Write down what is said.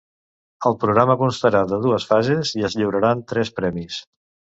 El programa constarà de dues fases i es lliuraran tres premis.